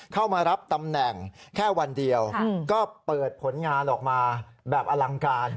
เข้ามารับตำแหน่งแค่วันเดียวก็เปิดผลงานออกมาแบบอลังการ